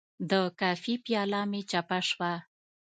د کافي پیاله مې چپه شوه.